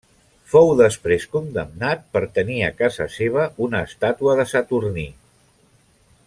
Fou després condemnat per tenir a casa seva una estàtua de Saturní.